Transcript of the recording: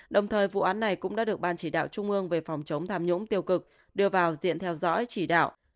đồng thời vụ án này cũng đã được ban chỉ đạo trung ương về phòng chống tham nhũng tiêu cực đưa vào diện theo dõi chỉ đạo